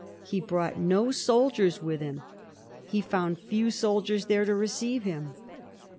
He brought no soldiers with him. He found few soldiers there to receive him.